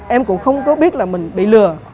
em cũng không có biết là mình bị lừa